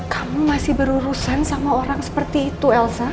kamu masih berurusan sama orang seperti itu elsa